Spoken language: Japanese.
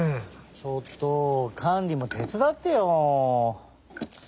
ちょっとカンリもてつだってよ！